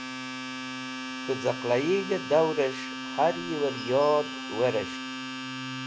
K̃hu Caqlaig̃he Dawres̃h Har yiewer Yod Veres̃ht